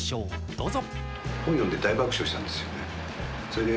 どうぞ。